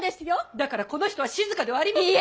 だからこの人は静ではありません。